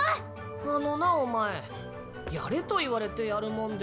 あのなお前やれと言われてやるもんでも。